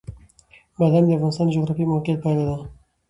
بادام د افغانستان د جغرافیایي موقیعت پایله ده.